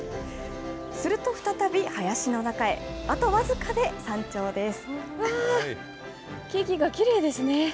すると再び、林の中へ、あと僅かで山頂です。